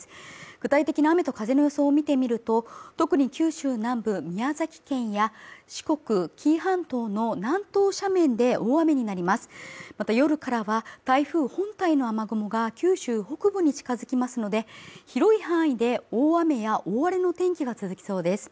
具体的な雨と風の予想を見てみると特に九州南部宮崎県や四国紀伊半島の南東斜面で大雨になりますまた夜からは台風本体の雨雲が九州北部に近づきますので広い範囲で大雨や大荒れの天気が続きそうです